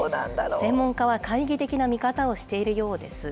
専門家は懐疑的な見方をしているようです。